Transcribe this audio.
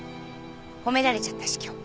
褒められちゃったし今日。